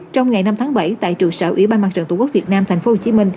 trong ngày năm tháng bảy tại trụ sở ủy ban mặt trận tổ quốc việt nam tp hcm